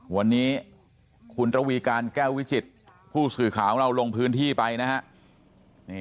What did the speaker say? วันนี้คุณระวีการแก้ววิจิตผู้สื่อข่าวของเราลงพื้นที่ไปนะฮะ